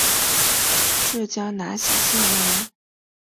浙江兰溪县人。